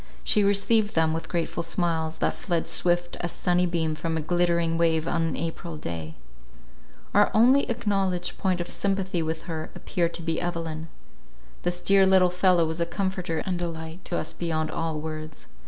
She received them with grateful smiles, that fled swift as sunny beam from a glittering wave on an April day. Our only acknowledged point of sympathy with her, appeared to be Evelyn. This dear little fellow was a comforter and delight to us beyond all words.